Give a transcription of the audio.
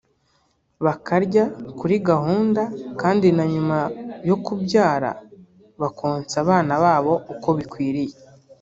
bakarya kuri gahunda kandi na nyuma yo kubyara bakonsa abana babo uko bikwiriye